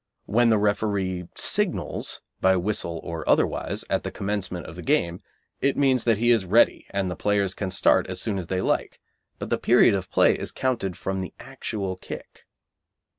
When the referee "signals," by whistle or otherwise, at the commencement of the game, it means that he is ready and the players can start as soon as they like, but the period of play is counted from the actual kick.